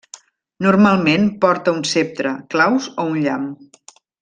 Normalment porta un ceptre, claus, o un llamp.